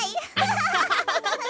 ハハハハ。